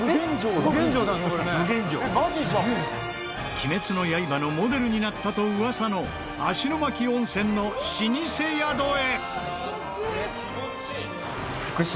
『鬼滅の刃』のモデルになったと噂の芦ノ牧温泉の老舗宿へ。